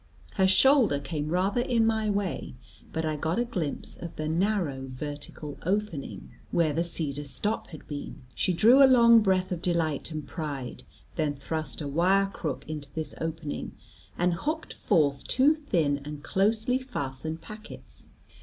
Her shoulder came rather in my way, but I got a glimpse of the narrow, vertical opening, where the cedar stop had been. She drew a long breath of delight and pride, then thrust a wire crook into this opening, and hooked forth two thin and closely fastened packets.